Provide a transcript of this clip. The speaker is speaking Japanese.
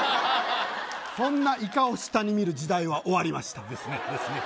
そんなイカを下に見る時代は終わりましたですねですね